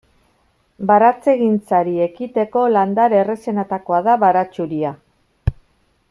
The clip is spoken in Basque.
Baratzegintzari ekiteko landare errazenetakoa da baratxuria.